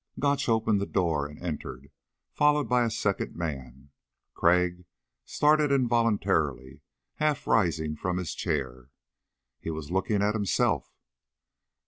Gotch opened the door and entered, followed by a second man. Crag started involuntarily, half rising from his chair. He was looking at himself!